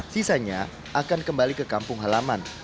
sisanya akan kembali ke kampung halaman